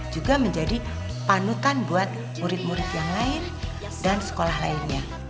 juga menjadi panutan buat murid murid yang lain dan sekolah lainnya